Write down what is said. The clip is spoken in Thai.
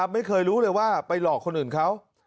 ไม่เคยรู้เลยว่าไปหลอกคนอื่นเขา